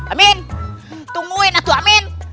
amin tungguin atuh amin